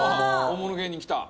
大物芸人きた。